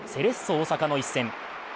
大阪の一戦。